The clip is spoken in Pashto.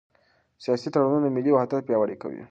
سیاسي تړونونه ملي وحدت پیاوړی کوي